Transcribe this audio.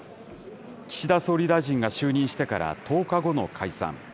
岸田総理大臣が就任してから１０日後の解散。